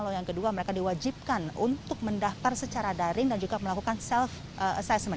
lalu yang kedua mereka diwajibkan untuk mendaftar secara daring dan juga melakukan self assessment